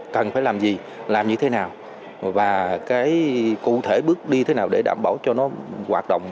cần phải làm gì làm như thế nào và cái cụ thể bước đi thế nào để đảm bảo cho nó hoạt động